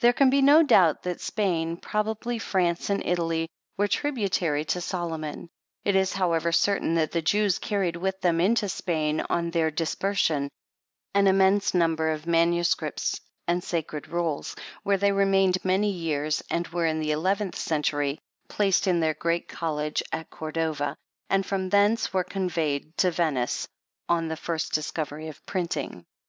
There can be no doubt that Spain, probably France and Italy, were tributary to Solomon. It is, however, certain, that the Jews carried with them into Spain, on their dispersion, an immense number of manuscripts and sacred rolls, where they remained many years, and were, in the eleventh century, placed in their great college at Cordova, and from thence were conveyed to Venice on the first discovery of printing.